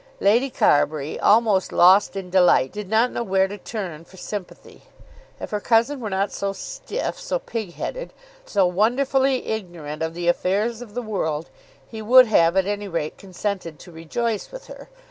Lady Carbury, almost lost in delight, did not know where to turn for sympathy. If her cousin were not so stiff, so pig headed, so wonderfully ignorant of the affairs of the world, he would have at any rate consented to rejoice with her.